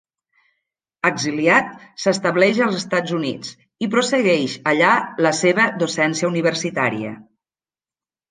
Exiliat, s'estableix als Estats Units i prossegueix allà la seva docència universitària.